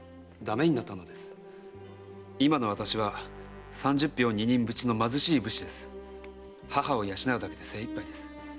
今の私は三十俵二人扶持の貧しい武士で母を養うだけで精一杯です。